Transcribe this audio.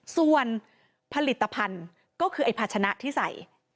ส่วนผลิตภัณฑ์ก็คือไอ้ภาชนะที่ใส่